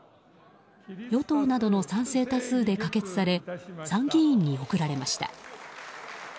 与党などの賛成多数で可決され参議院に送られました。